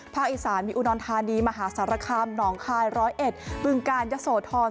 ภาคอีสานมีอุดนทานีมหาศรครรมหนองคายร้อยเอ็ดบึงกาลยะโสธร